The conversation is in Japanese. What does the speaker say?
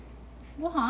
ごはん？